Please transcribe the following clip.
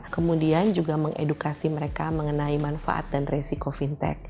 kemudian juga mengedukasi mereka mengenai manfaat dan resiko fintech